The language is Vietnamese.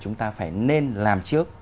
chúng ta phải nên làm trước